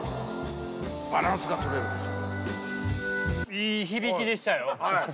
いい響きでしたよ。